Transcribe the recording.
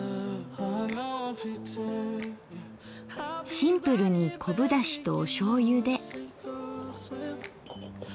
シンプルに昆布だしとお醤油で。